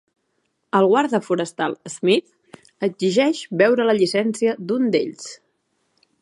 El guarda forestal Smith exigeix veure la llicència d'un d'ells.